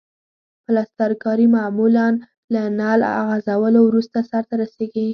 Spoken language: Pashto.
پلسترکاري معمولاً له نل غځولو وروسته سرته رسیږي.